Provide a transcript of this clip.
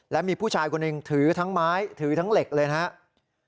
และมีผู้ชายคนหนึ่งถือทั้งไม้ถือทั้งเหล็กเลยนะครับ